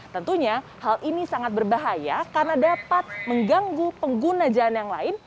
tentunya hal ini sangat berbahaya karena dapat mengganggu pengguna jalan yang lain